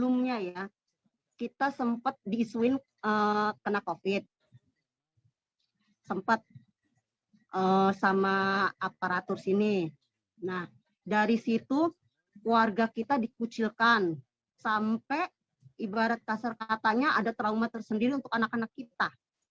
masyarakatnya ada trauma tersendiri untuk anak anak kita